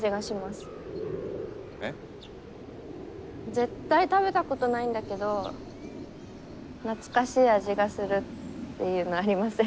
絶対食べたことないんだけど懐かしい味がするっていうのありません？